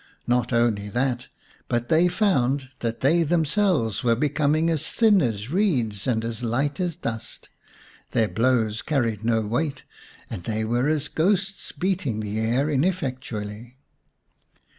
Not only that, but they found that they themselves were becoming as thin as reeds and as light as dust ; their blows carried no weight, and they were as ghosts beat ing the air ineffectually.